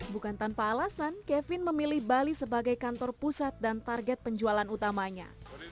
bukan tanpa alasan kevin memilih bali sebagai kantor pusat dan target penjualan utamanya